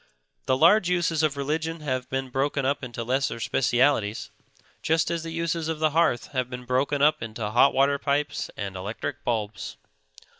The large uses of religion have been broken up into lesser specialities, just as the uses of the hearth have been broken up into hot water pipes and electric bulbs.